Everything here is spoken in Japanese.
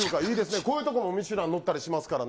こういう所もミシュラン載ったりしますからね。